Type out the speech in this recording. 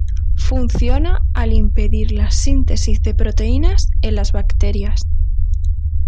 Funciona al impedir la síntesis de proteínas en las bacterias.